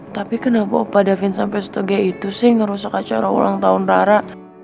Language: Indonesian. tapi kenapa opa davin sampe setegi itu sih ngerusak acara ulang tahun rara